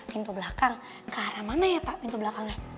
pintu belakang ke arah mana ya pak pintu belakangnya